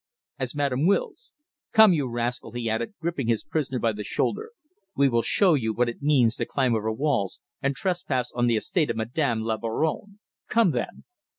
"As Madame wills! Come, you rascal," he added, gripping his prisoner by the shoulder. "We will show you what it means to climb over walls and trespass on the estate of Madame la Baronne. Come then!"